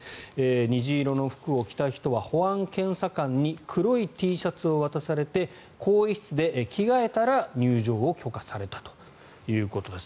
虹色の服を着た人は保安検査官に黒いＴシャツを渡されて更衣室で着替えたら入場を許可されたということです。